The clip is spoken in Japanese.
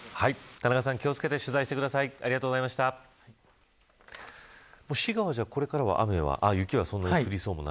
田中さん、気を付けて取材してください。